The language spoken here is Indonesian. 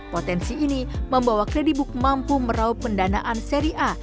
potensi ini membawa creditbook mampu merauh pendanaan seri a